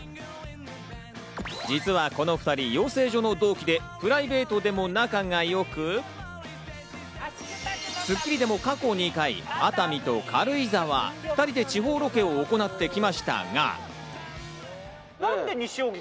実はこの２人、養成所の同期でプライベートでも仲が良く、『スッキリ』でも過去２回、熱海と軽井沢、２人で地方ロケを行ってきましたが。